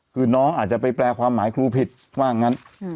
คือน้องอาจจะไปแปลความหมายครูผิดว่างั้น